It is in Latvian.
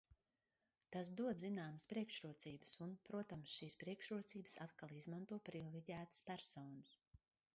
Tas dod zināmas priekšrocības, un, protams, šīs priekšrocības atkal izmanto privileģētas personas.